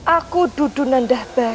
aku duduk di tempat yang baik